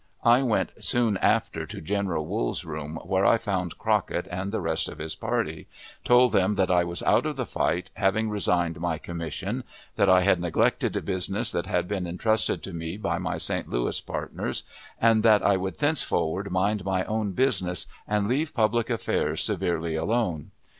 I went soon after to General Wool's room, where I found Crockett and the rest of his party; told them that I was out of the fight, having resigned my commission; that I had neglected business that had been intrusted to me by my St. Louis partners; and that I would thenceforward mind my own business, and leave public affairs severely alone.